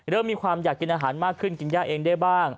เริ่มมีความอยากกินอาหารมากขึ้นกินย่าเองได้บ้าง